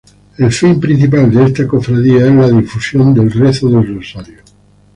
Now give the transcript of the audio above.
El fin principal de esta cofradía es la difusión del rezo del rosario.